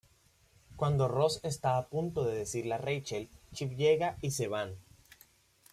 Cuando Ross está a punto de decirle a Rachel, Chip llega y se van.